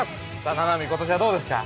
七海、今年はどうですか？